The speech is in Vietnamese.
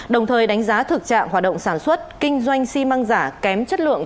đồng thời đánh giá thực trạng hoạt động sản xuất kinh doanh xi măng giả kém chất lượng